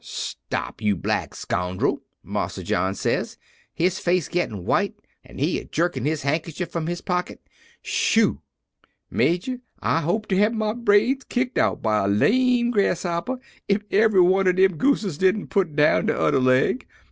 "'Stop, you black scoun'rel!' Marsa John says, his face gittin' white an' he a jerkin' his handkerchief from his pocket. 'Shoo!' "Major, I hope to have my brains kicked out by a lame grasshopper if ebery one ob dem gooses didn't put down de udder leg!